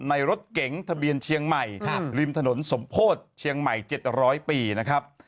รถเก๋งทะเบียนเชียงใหม่ริมถนนสมโพธิเชียงใหม่๗๐๐ปีนะครับ